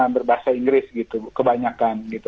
berbahasa inggris gitu kebanyakan gitu